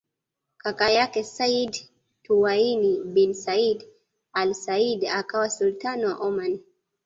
Kaka yake Sayyid Thuwaini bin Said al Said akawa Sultani wa Oman